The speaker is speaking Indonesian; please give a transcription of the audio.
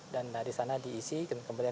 dan dari sana diisi